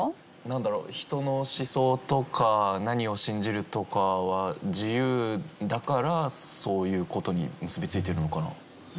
なんだろう人の思想とか何を信じるとかは自由だからそういう事に結びついてるのかな。